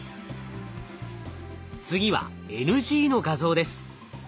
次はＮＧの画像です。